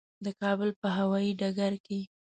د کابل په هوایي ډګر کې.